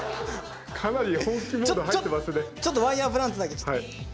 ちょっとワイヤープランツだけ。